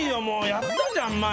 やったじゃん前。